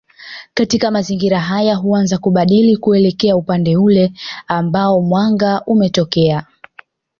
Katika mazingira haya huanza kubadili kuelekea upande ule ambao mwanga umetokea